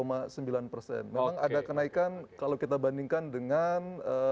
memang ada kenaikan kalau kita bandingkan dengan